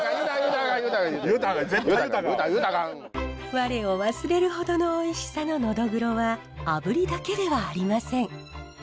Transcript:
我を忘れる程のおいしさのノドグロはあぶりだけではありません。